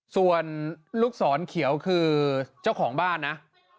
ส่วนลูกศรเขียวคือเจ้าของบ้านนะ